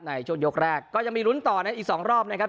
ในช่วงยกแรกก็ยังมีลุ้นต่อในอีก๒รอบนะครับ